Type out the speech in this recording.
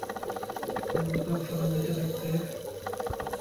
কোন অনুতাপ ছাড়া বেঁচে থাকতে?